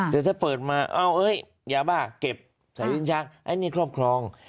แต่ถ้าเปิดมาเอ้าเฮ้ยอย่าบ้าเก็บใส่ลิ้นชักไอ้นี่ครอบครอง